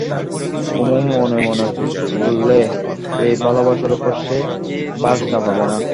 কুমু মনে মনে বললে, এই ভালোবাসার উপর সে ভার চাপাবে না।